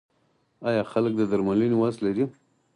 آیا خلک د درملنې وس لري؟